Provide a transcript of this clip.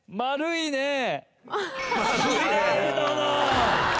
丸いね